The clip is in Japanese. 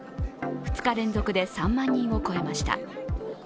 ２日連続で３万人を超えました。